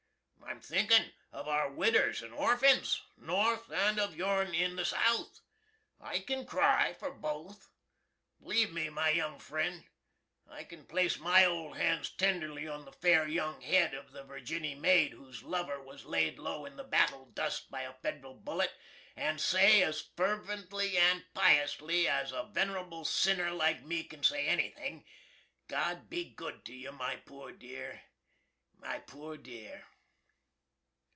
I'm thinkin' of our widders and orfuns North, and of your'n in the South. I kin cry for both. B'leeve me, my young fren', I kin place my old hands tenderly on the fair yung hed of the Virginny maid whose lover was laid low in the battle dust by a fed'ral bullet, and say, as fervently and piously as a vener'ble sinner like me kin say anythin', God be good to you, my poor dear, my poor dear."